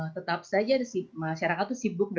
tetap saja masyarakat sibuk